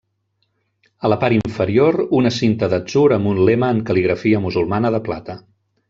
A la part inferior una cinta d'atzur amb un lema en cal·ligrafia musulmana de plata.